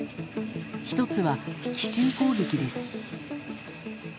１つは、奇襲攻撃です。